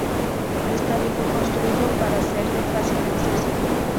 El estadio fue construido para ser de fácil acceso.